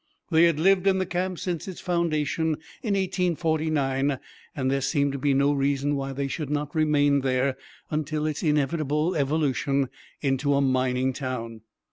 They had lived in the camp since its foundation in 1849; there seemed to be no reason why they should not remain there until its inevitable evolution into a mining town.